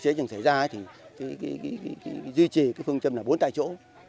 khi cháy rừng xảy ra thì duy trì phương châm là bốn tại chỗ